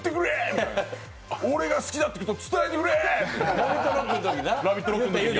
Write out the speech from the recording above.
みたいな俺が好きだってこと伝えてくれって。